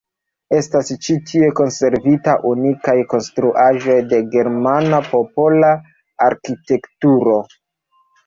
Estas ĉi tie konservita unikaj konstruaĵoj de germana popola arkitekturo.